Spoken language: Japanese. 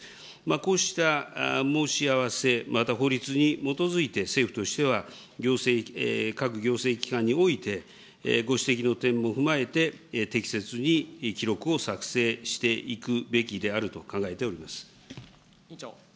こうした申し合わせ、また法律に基づいて、政府としては行政、各行政機関において、ご指摘の点も踏まえて適切に記録を作成していくべきであると考えております。